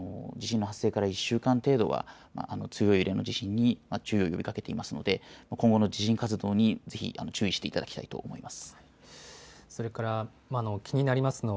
気象庁も地震の発生から１週間程度は強い揺れの地震に注意を呼びかけていますので今後の地震活動にぜひ注意していただきたいと思います。